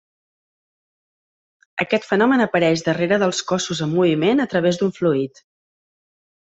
Aquest fenomen apareix darrere dels cossos en moviment a través d'un fluid.